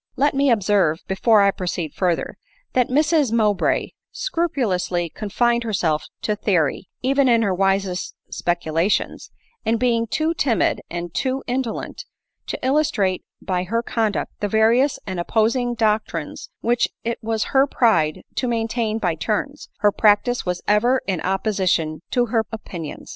Let me observe, before I proceed further, that Mrs Mowbray scrupulously confined herself to theory, even in her wisest speculations ;~ and being too timid, and too indolent, to illustrate by her conduct the various and op posing doctrines which it was her pride to maintain by turns, her practice was ever in opposition to her opinions.